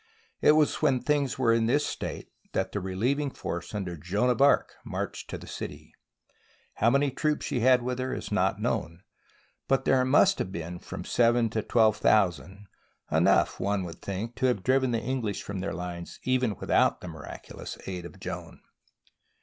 It was when things were in this state that the re lieving force under Joan of Arc marched to the city. How many troops she had with her is not THE BOOK OF FAMOUS SIEGES known, but there must have been from seven to twelve thousand — enough, one would think, to have driven the English from their lines even without the miraculous aid of Joan.